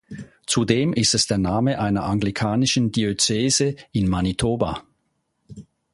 Zudem ist es der Name einer anglikanischen Diözese in Manitoba.